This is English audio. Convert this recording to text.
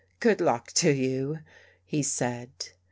" Good luck to you," he said.